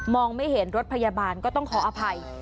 ไม่เห็นรถพยาบาลก็ต้องขออภัย